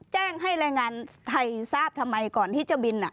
แจ้งให้แรงงานไทยทราบทำไมก่อนที่จะบิน